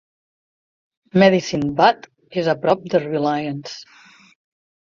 Medicine Butte és a prop de Reliance.